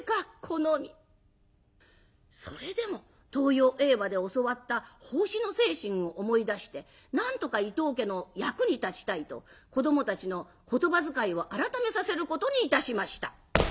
それでも東洋英和で教わった奉仕の精神を思い出してなんとか伊藤家の役に立ちたいと子どもたちの言葉遣いを改めさせることにいたしました。